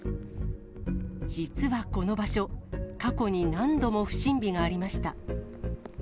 実はこの場所、過去に何度も不審火がありました。